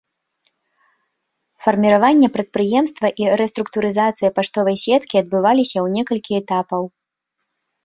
Фарміраванне прадпрыемства і рэструктурызацыя паштовай сеткі адбываліся ў некалькі этапаў.